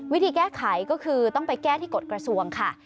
วิธีแก้ไขก็คือต้องไปแก้ที่กฎกระทรวงค่ะ